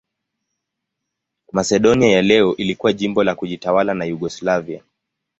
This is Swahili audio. Masedonia ya leo ilikuwa jimbo la kujitawala la Yugoslavia.